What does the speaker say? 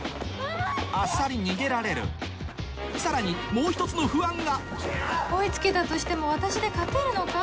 あっさり逃げられるさらにもう１つの不安が追い付けたとしても私で勝てるのか？